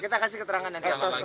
kita kasih keterangan nanti